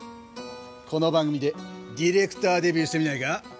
この番組でディレクターデビューしてみないか？